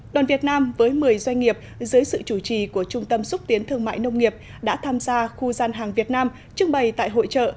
đoàn việt nam với một mươi doanh nghiệp dưới sự chủ trì của trung tâm xúc tiến thương mại nông nghiệp đã tham gia khu gian hàng việt nam trưng bày tại hội trợ